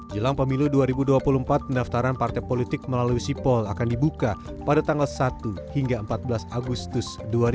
jelang pemilu dua ribu dua puluh empat pendaftaran partai politik melalui sipol akan dibuka pada tanggal satu hingga empat belas agustus dua ribu dua puluh